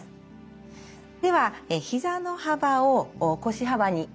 ではひざの幅を腰幅に。